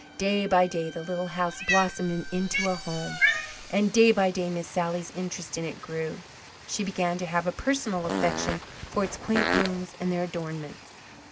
Day by day the little house blossomed into a home, and day by day Miss Sally's interest in it grew. She began to have a personal affection for its quaint rooms and their adornments.